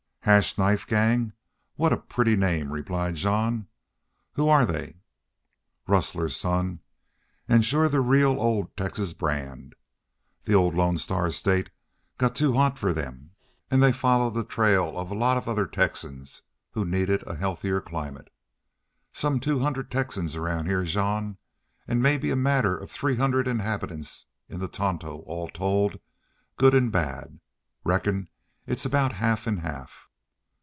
"Hash Knife Gang? What a pretty name!" replied Jean. "Who're they?" "Rustlers, son. An' shore the real old Texas brand. The old Lone Star State got too hot for them, an' they followed the trail of a lot of other Texans who needed a healthier climate. Some two hundred Texans around heah, Jean, an' maybe a matter of three hundred inhabitants in the Tonto all told, good an' bad. Reckon it's aboot half an' half."